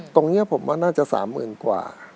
ตรงนี้ผมง่าน่าจะ๓หมื่นกว่า